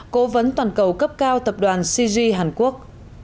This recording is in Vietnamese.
cố vấn toàn cầu cấp cao tập đoàn cg hàn quốc